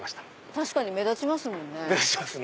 確かに目立ちますもんね。